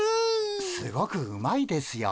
すごくうまいですよ。